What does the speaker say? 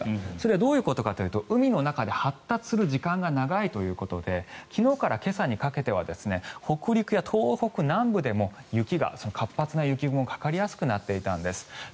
どういうことかというと海の中で発達する時間が長いということで昨日から今朝にかけては北陸や東北南部でも活発な雪雲がかかりやすくなっていたんです。